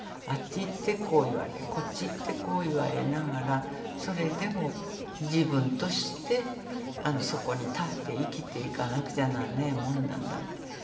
あっち行ってこう言われこっち行ってこう言われながらそれでも自分としてそこに立って生きていかなくちゃなんねえもんなんだって。